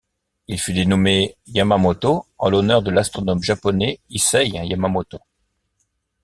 Il fut dénommé Yamamoto en l'honneur de l'astronome japonais Issei Yamamoto.